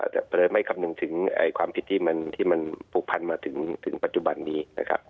แต่ไม่คำนึงถึงความผิดที่มันปกปรุงผลันมาถึงปัจจุบันนี้